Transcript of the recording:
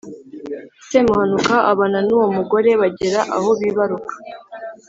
Semuhanuka abana n’uwo mugore bagera aho bibaruka.